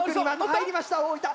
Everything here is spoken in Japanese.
入りました大分！